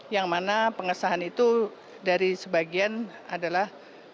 yang mana pengesahan itu dari sebagian adalah